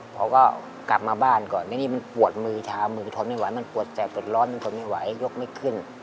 พอก็กลับมาบ้านก่อนแล้วนี่มันปวดมือชามือทนไม่ไหวมันปวดแสบปวดร้อนมันทนไม่ไหวยกไม่ขึ้น